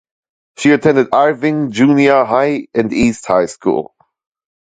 She attended Irving Junior High and East High School.